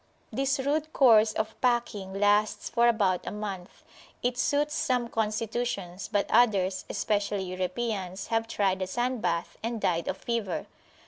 This rude course of packing lasts for about a month. It suits some constitutions; but others, especially Europeans, have tried the sand bath and died of fever.